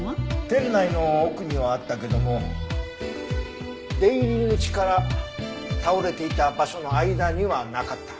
店内の奥にはあったけども出入り口から倒れていた場所の間にはなかった。